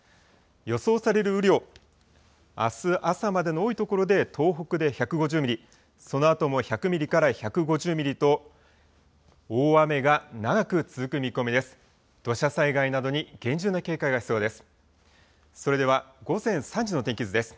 予想される雨量、あす朝までの多い所で東北で１５０ミリ、そのあとも１００ミリから１５０ミリと、大雨が長く続く見込みです。